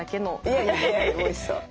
いやいやおいしそう。